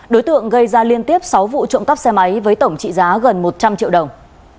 đối tượng gây ra liên tiếp sáu vụ trộm cắp xe máy với tổng trị giá gần một trăm linh triệu đồng